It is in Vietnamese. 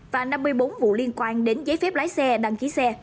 và năm mươi bốn vụ liên quan đến giấy phép lái xe đăng ký xe